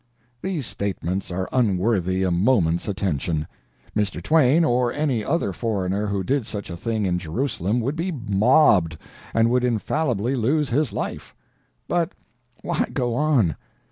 _ These statements are unworthy a moment's attention. Mr. Twain or any other foreigner who did such a thing in Jerusalem would be mobbed, and would infallibly lose his life. But why go on?